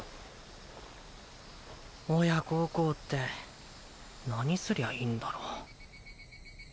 親孝行って何すりゃいいんだろう？